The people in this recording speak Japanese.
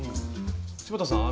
柴田さん